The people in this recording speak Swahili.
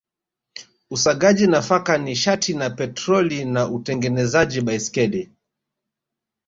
Usagaji nafaka nishati na petroli na utengenezaji baiskeli